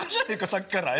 さっきからえ？